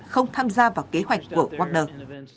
để tham gia vào kế hoạch của wagner